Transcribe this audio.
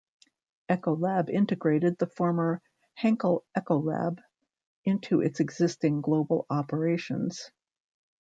Ecolab integrated the former Henkel-Ecolab into its existing global operations.